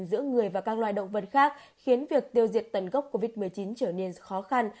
giữa người và các loài động vật khác khiến việc tiêu diệt tần gốc covid một mươi chín trở nên khó khăn